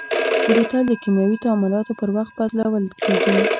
بوتل د کیمیاوي تعاملاتو پر وخت بدلول کېږي.